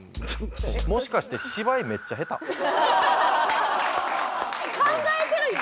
もしかして芝居めっちゃ下手？考えてる今！